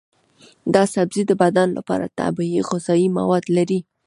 دا سبزی د بدن لپاره طبیعي غذایي مواد لري.